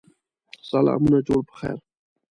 سلامونه جوړ په خیر!